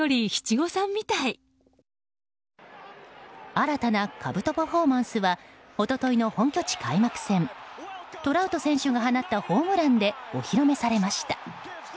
新たなかぶとパフォーマンスは一昨日の本拠地開幕戦トラウト選手が放ったホームランでお披露目されました。